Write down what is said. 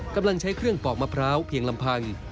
กำลังใช้เครื่องปอกมะพร้าวเพียงลำพัง